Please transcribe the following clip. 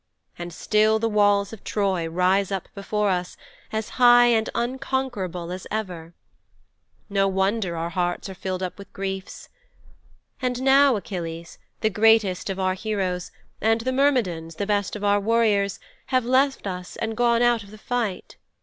And still the walls of Troy rise up before us as high and as unconquerable as ever! No wonder our hearts are filled up with griefs. And now Achilles, the greatest of our heroes, and the Myrmidons, the best of our warriors, have left us and gone out of the fight."'